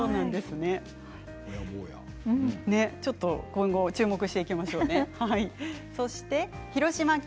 今後注目していきましょうね。